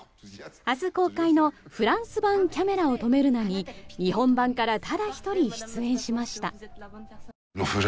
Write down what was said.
明日公開のフランス版「キャメラを止めるな！」に日本版からただ１人、出演しました。